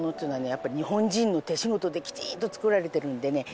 やっぱり日本人の手仕事できちんと作られているんでね